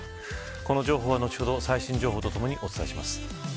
この情報は後ほど最新情報とともにお伝えします。